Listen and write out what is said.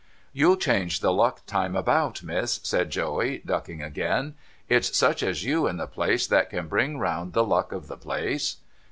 ' You'll change the luck time about. Miss,' said Joey, ducking again. ' It's such as you in the place that can bring round the luck of the place.'